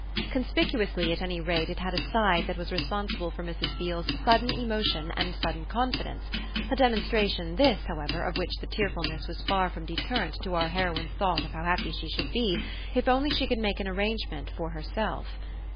Conspicuously at any rate it had a side that was responsible for Mrs. Beale's sudden emotion and sudden confidence a demonstration this, however, of which the tearfulness was far from deterrent to our heroine's thought of how happy she should be if she could only make an arrangement for herself.